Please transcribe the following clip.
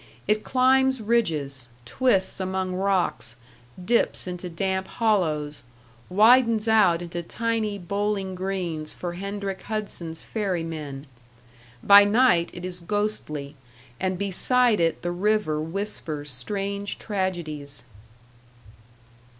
It climbs ridges, twists among rocks, dips into damp hollows, widens out into tiny bowling greens for Hendrik Hudson's fairy men. By night it is ghostly, and beside it the river whispers strange tragedies.